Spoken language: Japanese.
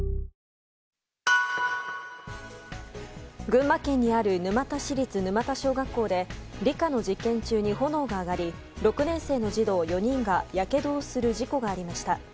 群馬県にある沼田市立沼田小学校で理科の実験中に炎が上がり６年生の児童４人がやけどをする事故がありました。